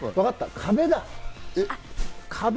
壁だ。